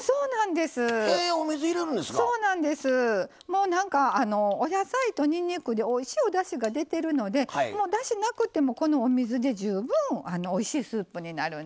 もうなんかお野菜とにんにくでおいしいおだしが出てるのでだしなくてもこのお水で十分おいしいスープになるんですね。